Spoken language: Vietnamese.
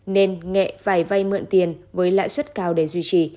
nên nghệ phải vay mượn tiền với lãi suất cao để duy trì